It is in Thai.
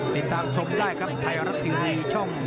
ติดตามชมได้ครับไทยรัฐทีวีช่อง